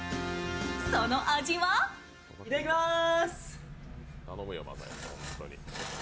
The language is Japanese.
そのお味はいただきまーす。